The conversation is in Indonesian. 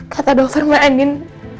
kata dokter mbak andien